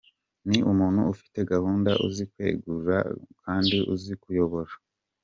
Ni umuntu ufite gahunda, uzi kwigenzura kandi uzi kuyobora.